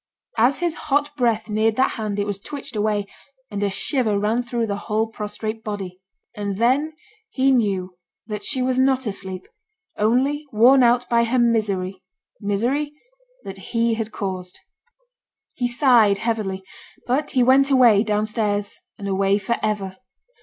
As his hot breath neared that hand it was twitched away, and a shiver ran through the whole prostrate body. And then he knew that she was not asleep, only worn out by her misery, misery that he had caused. He sighed heavily; but he went away, down stairs, and away for ever.